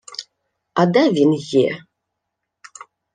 — А де він є?